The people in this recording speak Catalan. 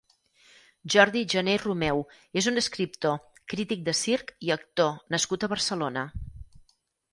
Jordi Jané i Romeu és un escriptor, crític de circ i actor nascut a Barcelona.